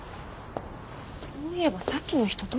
そういえばさっきの人どこかで。